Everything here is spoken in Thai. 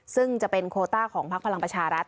ซึ่งจะเป็นโคต้าของพักพลังประชารัฐ